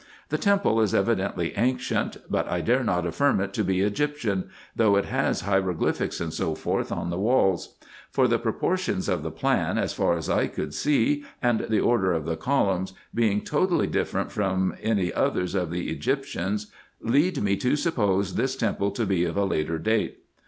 The temple is evidently ancient, but I dare not affirm it to be Egyptian, though it has hieroglyphics, &c. on the walls ; for the proportions of the plan, as far as I could see, and the order of the columns, being totally different from any others of the Egyptians, lead me to suppose this temple to be of a later date.